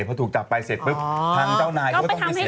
พอถูกจับไปเฟ็บทางเจ้านายก็ถูกจับไป